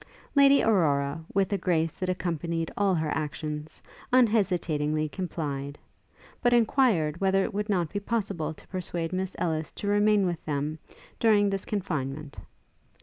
Lady Aurora, with a grace that accompanied all her actions, unhesitatingly complied; but enquired whether it would not be possible to persuade Miss Ellis to remain with them during this confinement?